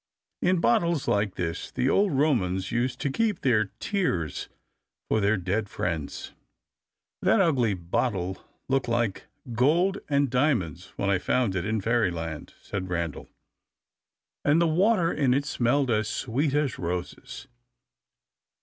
* In bottles like this, the old Romans used to keep their tears for their dead friends. "That ugly bottle looked like gold and diamonds when I found it in Fairyland," said Randal, "and the water in it smelled as sweet as roses.